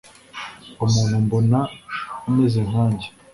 umuntu mbona ameze nkanjye,